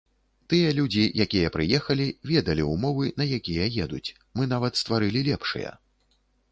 Тыя людзі, якія прыехалі, ведалі ўмовы, на якія едуць, мы нават стварылі лепшыя.